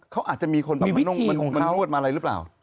เขาอาจจะมีคนไปนวดมาอะไรหรือเปล่า